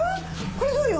これどうよ？